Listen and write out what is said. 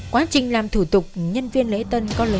quá trình làm thủ tục nhân viên lễ tân có lấy thông tin